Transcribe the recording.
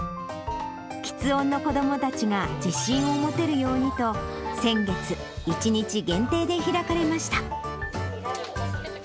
きつ音の子どもたちが自信を持てるようにと、先月、１日限定で開かれました。